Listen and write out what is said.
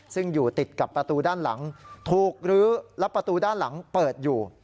ซึ่งอยู่ติดกับประตูด้านหลังถูกลื้อและประตูด้านหลังเปิดอยู่